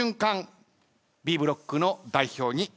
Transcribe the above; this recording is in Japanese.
Ｂブロックの代表に決定します。